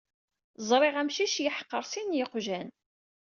Ẓriɣ amcic yeḥqer sin n yiqjan.